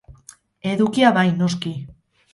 Edukia bai, noski.